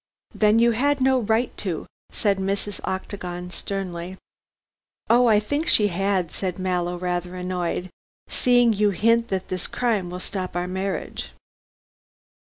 "Then you had no right to," said Mrs. Octagon sternly. "Oh, I think she had," said Mallow, rather annoyed. "Seeing you hint that this crime will stop our marriage."